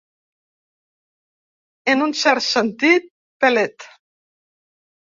En un cert sentit, pelet.